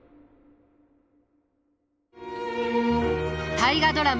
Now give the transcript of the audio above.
大河ドラマ